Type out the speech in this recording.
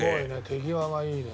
手際がいいね。